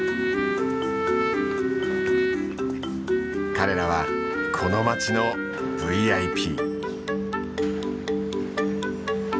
彼らはこの街のＶ・Ｉ・Ｐ。